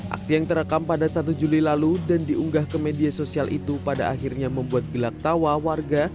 aksi yang terekam pada satu juli lalu dan diunggah ke media sosial itu pada akhirnya membuat gelak tawa warga